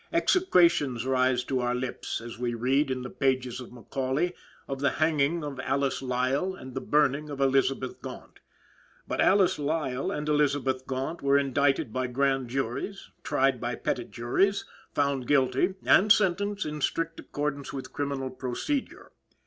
Execrations rise to our lips, as we read, in the pages of Macaulay, of the hanging of Alice Lisle, and the burning of Elizabeth Gaunt. But Alice Lisle and Elizabeth Gaunt were indicted by grand juries, tried by petit juries, found guilty, and sentenced, in strict accordance with criminal procedure.